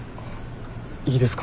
いいですか？